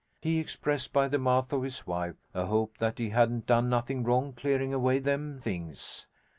He expressed, by the mouth of his wife, a hope that he hadn't done nothing wrong clearing away them things.